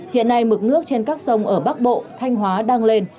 hiện nay mực nước trên các sông ở bắc bộ thanh hóa đang lên